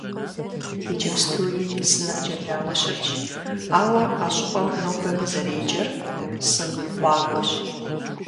Иджыпстуи сыныр джэлауэ щылъщ, ауэ а щӀыпӀэм нобэми зэреджэр «Сын къуагуэщ».